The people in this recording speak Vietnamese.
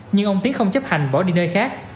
nhưng ông tiến không chấp hành bỏ đi nơi khác